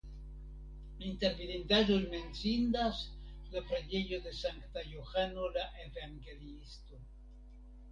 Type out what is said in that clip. Inter vidindaĵoj menciindas la preĝejo de Sankta Johano la Evangeliisto.